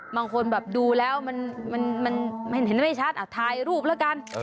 บางคนแบบดูแล้วมันเห็นไม่ชัดถ่ายรูปแล้วกัน